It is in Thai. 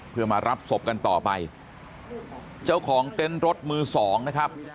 เพื่อมารับศพกันต่อไปเจ้าของเต็นต์รถมือสองนะครับ